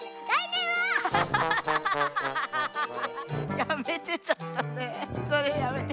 やめてちょっとねえそれやめて。